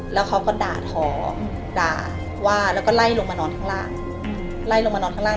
แล้วเขาก็ด่าถอด่าว่าแล้วก็ไล่ลงมานอนข้างล่าง